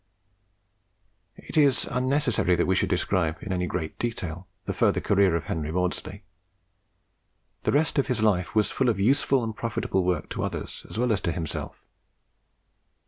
It is unnecessary that we should describe in any great detail the further career of Henry Maudslay. The rest of his life was full of useful and profitable work to others as well as to himself.